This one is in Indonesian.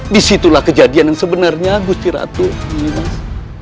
disitulah kejadian yang sebenarnya gusti ratu nyi imas